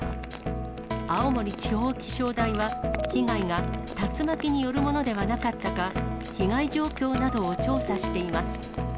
青森地方気象台は、被害が竜巻によるものではなかったか、被害状況などを調査しています。